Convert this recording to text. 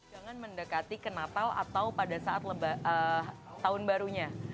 jangan mendekati ke natal atau pada saat tahun barunya